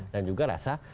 dan juga rasa